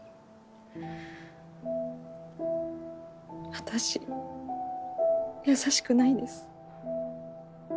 私優しくないです。